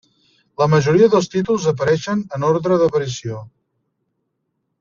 La majoria dels títols apareixen en ordre d'aparició.